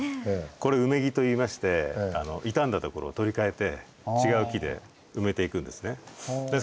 これ「埋め木」といいまして傷んだ所を取り替えて違う木で埋めていくんですね。